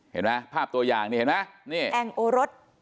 เห็นไหมภาพตัวยางนี้แองโอรส